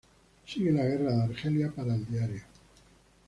Sigue la guerra de Argelia para el diario.